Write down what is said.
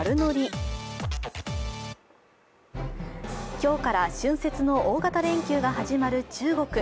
今日から春節の大型連休が始まる中国。